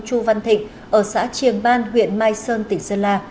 chu văn thịnh ở xã triềng ban huyện mai sơn tỉnh sơn la